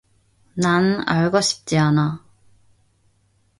난 알고싶지 않아.